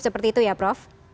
seperti itu ya prof